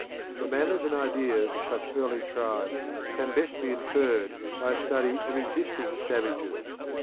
The manners and ideas of such early tribes can best be inferred by a study of existing savages.